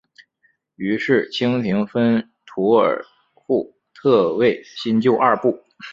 于是清廷分土尔扈特为新旧二部。